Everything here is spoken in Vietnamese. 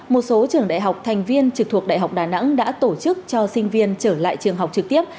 một số trường đại học thành viên trực thuộc đại học đà nẵng đã tổ chức cho sinh viên trở lại trường học trực tiếp